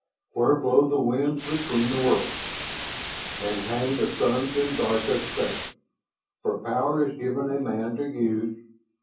"... where blow the winds between the worlds, And hang the suns in dark of space. For Power is given a man to use.